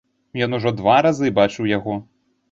Ён ужо два разы бачыў яго!